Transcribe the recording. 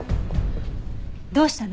どうしたの？